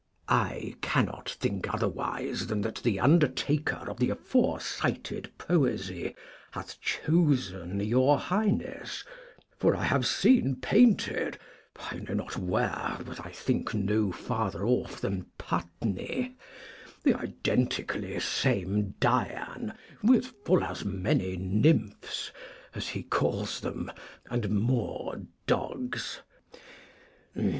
Cecil. I cannot think otherwise than that the under taker of the aforecited poesy hath chosen your Highness ; for I have seen painted — I know not where, but I think no farther off than Putney — the identically same Dian, with full as many nymphs, as he calls them, and more dogs.